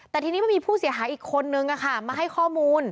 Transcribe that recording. แต่ทีนี้มันมีผู้เสียหายอีกคนนึงมาให้ข้อมูล